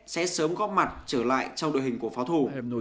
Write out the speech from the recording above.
sẽ sớm góp mặt trở lại trong đội hình của pháo thủ